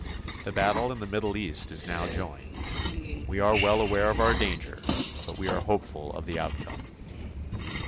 The battle in the Middle East is now joined. We are well aware of our danger, but we are hopeful of the outcome.